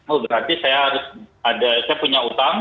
oh berarti saya harus ada saya punya utang